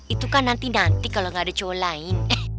itu kan nanti nanti kalau nggak ada cowok lain